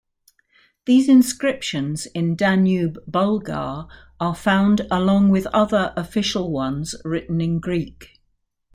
These inscriptions in Danube-Bulgar are found along with other official ones written in Greek.